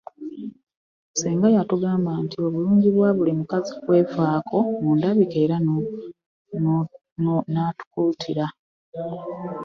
Senga yatugamba nti obulungi bwa buli mukazi kwafako mu ndabika era natukuutira.